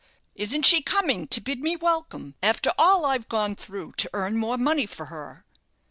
Isn't she coming to bid me welcome after all I've gone through to earn more money for her?"